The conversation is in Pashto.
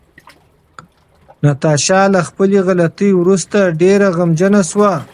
ناتاشا له خپلې غلطۍ وروسته ډېره غمجنه شوه.